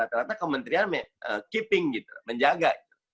ternyata kementerian keeping gitu menjaga